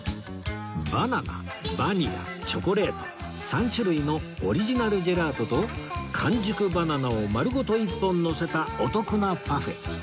バナナバニラチョコレート３種類のオリジナルジェラートと完熟バナナを丸ごと１本のせたお得なパフェ